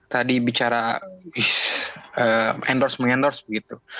tadi bicara endorse mengendorse begitu